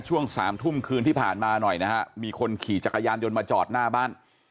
ช่วงสามทุ่มคืนที่ผ่านมาหน่อยนะฮะมีคนขี่จักรยานยนต์มาจอดหน้าบ้าน